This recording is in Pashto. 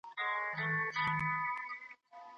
که لږ تر لږه د نږدې تير وخت سیاست ته نظر واچوو،